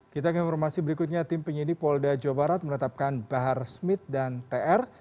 kita ke informasi berikutnya tim penyidik polda jawa barat menetapkan bahar smith dan tr